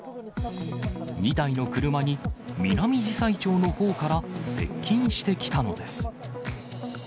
２台の車に、ミナミジサイチョウのほうから接近してきたのです。